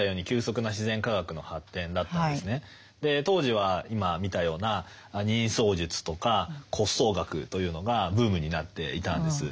当時は今見たような人相術とか骨相学というのがブームになっていたんです。